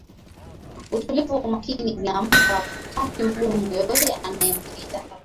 Utulivu na umakini vinampa wakati mgumu yeyote anayemuwinda